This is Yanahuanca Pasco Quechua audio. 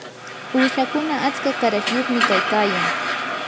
uushakuna atska qarashyuqmi kaykayan.